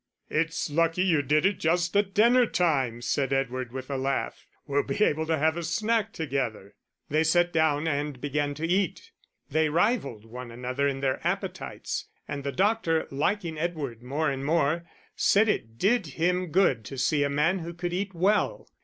"It's lucky you did it just at dinner time," said Edward, with a laugh. "We'll be able to have a snack together." They sat down and began to eat. They rivalled one another in their appetites; and the doctor, liking Edward more and more, said it did him good to see a man who could eat well.